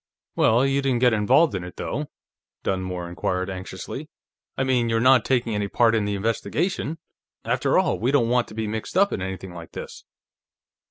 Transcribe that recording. "Well, you didn't get involved in it, though?" Dunmore inquired anxiously. "I mean, you're not taking any part in the investigation? After all, we don't want to be mixed up in anything like this."